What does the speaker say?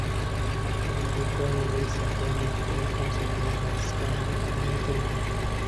El ducado de Sajonia fue concedido al ascanio Alberto el Oso.